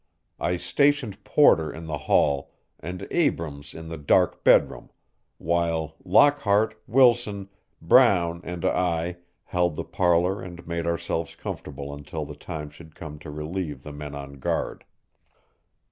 I stationed Porter in the hall, and Abrams in the dark bedroom, while Lockhart, Wilson, Brown and I held the parlor and made ourselves comfortable until the time should come to relieve the men on guard.